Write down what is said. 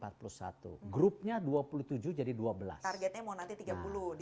targetnya mau nanti tiga puluh di selanjutnya